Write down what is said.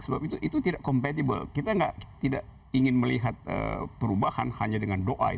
sebab itu itu tidak compatible kita tidak ingin melihat perubahan hanya dengan doa